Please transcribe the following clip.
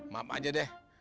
maap aja deh